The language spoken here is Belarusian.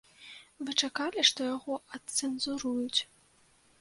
Вы чакалі, што яго адцэнзуруюць?